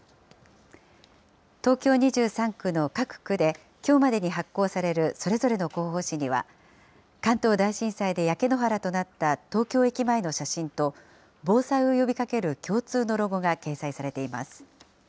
東京２３区の各区できょうまでに発行されるそれぞれの広報誌には、関東大震災で焼け野原となった東京駅前の写真と、防災を呼びかける共通のロゴが掲載されています。